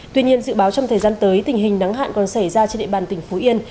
tuy nhiên dự báo trong thời gian tới tình hình nắng hạn còn xảy ra trên địa bàn tỉnh phú yên